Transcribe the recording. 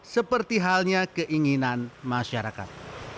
seperti halnya keinginan masyarakat